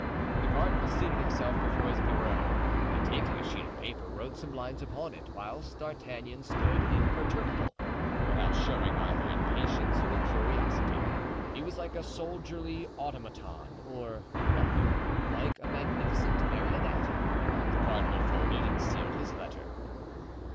The cardinal seated himself before his bureau and taking a sheet of paper wrote some lines upon it, whilst D'Artagnan stood imperturbable, without showing either impatience or curiosity. He was like a soldierly automaton, or rather, like a magnificent marionette. The cardinal folded and sealed his letter.